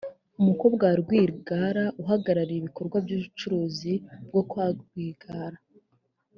umukobwa wa Rwigara uhagarariye ibikorwa by’ubucuruzi bwo kwa Rwigara